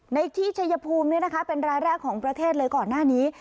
ในที่ชัยภูมิเป็นรายแรกของประเทศเลยก่อนหน้านี้